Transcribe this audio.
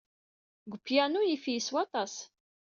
Deg upyanu, yif-iyi s waṭas.